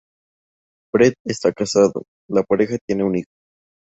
Brett está casado, la pareja tiene un hijo.